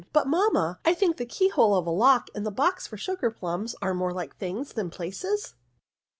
But, mamma, I think the key hole of the lock, and the box for sugar plums, are more like things than places